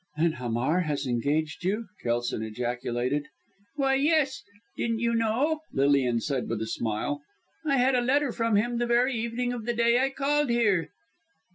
"Then Hamar has engaged you," Kelson ejaculated. "Why, yes! didn't you know!" Lilian said with a smile. "I had a letter from him the very evening of the day I called here."